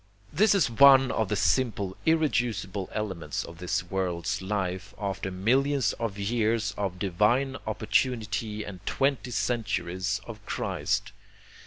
This is one of the simple irreducible elements of this world's life after millions of years of divine opportunity and twenty centuries of Christ.